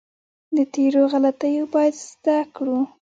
له تېرو غلطیو باید زده کړو.